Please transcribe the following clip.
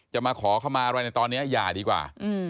มาขอเข้ามาอะไรในตอนนี้อย่าดีกว่า